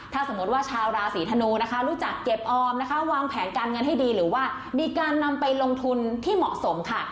ถ้าสมมติว่าชาวราศีธนูนะคะรู้จักเก็บออมนะคะวางแผนการเงินให้ดีหรือว่ามีการนำไปลงทุนที่เหมาะสมค่ะ